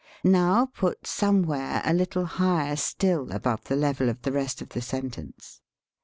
Now put somewhere a little higher still above the level of the rest of the sentence.